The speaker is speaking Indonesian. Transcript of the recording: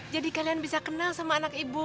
jadi kalian bisa kenal sama anak ibu